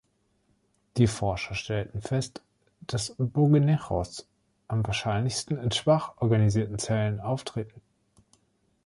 Die Forscher stellten fest, dass Bogenechos am wahrscheinlichsten in schwach organisierten Zellen auftreten.